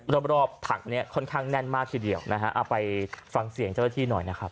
รอบรอบถังเนี้ยค่อนข้างแน่นมากทีเดียวนะฮะเอาไปฟังเสียงเจ้าหน้าที่หน่อยนะครับ